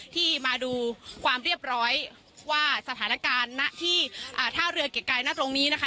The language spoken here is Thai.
ที่มาดูความเรียบร้อยว่าสถานการณ์ณที่ท่าเรือเกียรติกายนะตรงนี้นะคะ